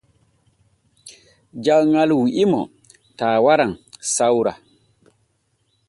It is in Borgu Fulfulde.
Jawŋal wi’imo taa waran sawra.